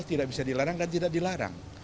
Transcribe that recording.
tidak bisa dilarang dan tidak dilarang